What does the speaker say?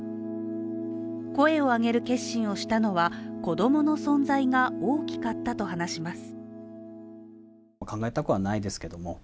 声を上げる決心をしたのは、子供の存在が大きかったと話します。